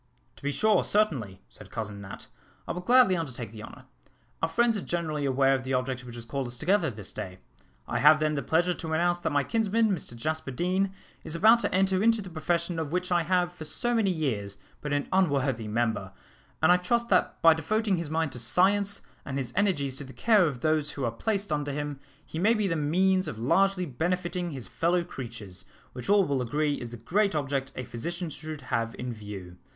"To be sure, certainly," said Cousin Nat, "I will gladly undertake the honour. Our friends are generally aware of the object which has called us together this day. I have, then, the pleasure to announce that my kinsman, Mr Jasper Deane, is about to enter into the profession of which I have, for so many years, been an unworthy member, and I trust that by devoting his mind to science, and his energies to the care of those who are placed under him, he may be the means of largely benefiting his fellow creatures, which all will agree is the great object a physician should have in view.